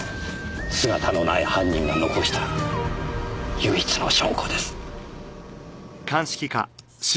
姿のない犯人が残した唯一の証拠です。